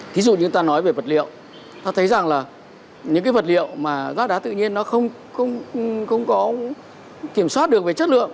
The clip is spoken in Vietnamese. ví dụ như ta nói về vật liệu ta thấy rằng là những vật liệu mà lát đá tự nhiên nó không có kiểm soát được về chất lượng